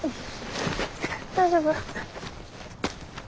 大丈夫？